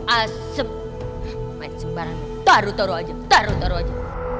asem taruh taruh aja taruh taruh aja